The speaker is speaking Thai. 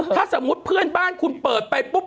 ถ้าสมมุติเพื่อนบ้านคุณเปิดไปปุ๊บ